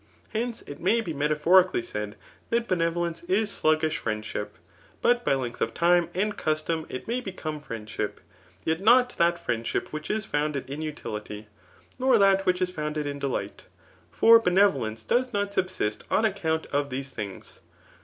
Hence it may be metaphorieally said, that benevolence is slug ^sh friendship ; but by length of time and custom it may become friendship, yet not that friendship which is foimded in utility, nor that which is founded in delight ; for benevolence does not subsist on account of these. things.